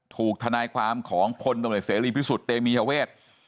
ถูกทะนายความของคนตนกศิริพิสุทธิ์เตมีชาเวช